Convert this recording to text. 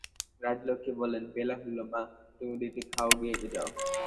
রাজলক্ষ্মী বলেন, বেলা হইল মা, তুমি দুটি খাও গে যাও।